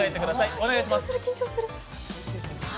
お願いします。